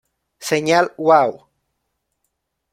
Señal Wow!